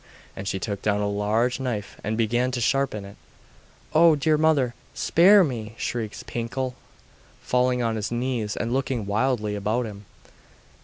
And she took down a large knife and began to sharpen it.' 'Oh! dear mother, spare me!' shrieked Pinkel, falling on his knees, and looking wildly about him.